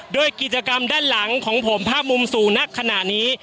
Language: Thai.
โดยกิจกรรมด้านหลังของผมภาพมุมสู่นักขณะนี้